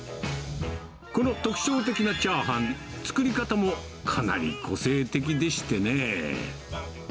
この特徴的なチャーハン、作り方もかなり個性的でしてね。